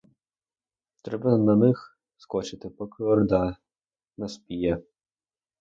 Треба на них скочити, поки орда наспіє.